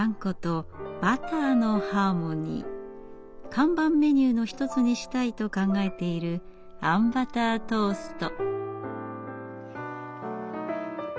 看板メニューの一つにしたいと考えているあんバタートースト。